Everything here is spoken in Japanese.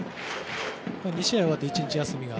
２試合終わって、１日休みが。